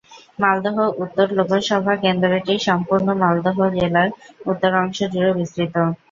মালদহ উত্তর লোকসভা কেন্দ্রটি সম্পূর্ণ মালদহ জেলার উত্তর অংশ জুড়ে বিস্তৃত।